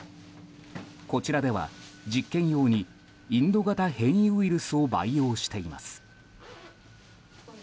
こちらでは、実験用にインド型変異ウイルスを培養しています。